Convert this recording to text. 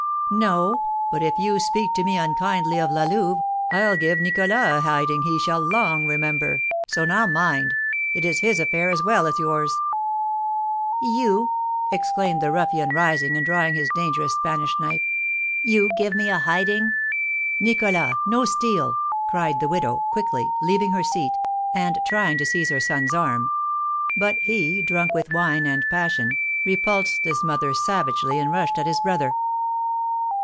"No; but, if you speak to me unkindly of La Louve, I'll give Nicholas a hiding he shall long remember. So now, mind! It is his affair as well as yours." "You?" exclaimed the ruffian, rising, and drawing his dangerous Spanish knife; "you give me a hiding?" [Illustration: The Brigand dashed at his brother. Original Etching by Adrian Marcel.] "Nicholas, no steel!" cried the widow, quickly, leaving her seat, and trying to seize her son's arm; but he, drunk with wine and passion, repulsed his mother savagely, and rushed at his brother.